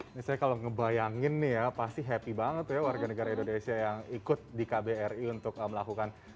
ini saya kalau ngebayangin nih ya pasti happy banget ya warga negara indonesia yang ikut di kbri untuk melakukan